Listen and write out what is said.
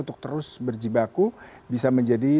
untuk terus berjibaku bisa menjadi